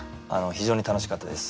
非常に楽しかったです。